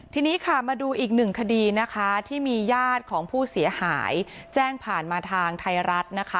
ทีนี้มาดูอีก๑คดีที่มีญาติของผู้เสียหายแจ้งผ่านมาทางไทยรัฐ